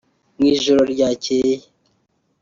Mu ijoro ryacyeye